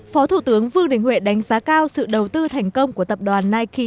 phó thủ tướng vương đình huệ đánh giá cao sự đầu tư thành công của tập đoàn nike